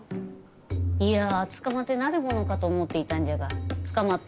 いや捕まってなるものかと思っていたんじゃが捕まった